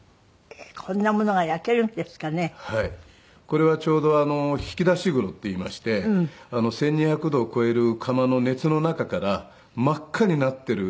これはちょうど引き出し黒っていいまして１２００度を超える窯の熱の中から真っ赤になっている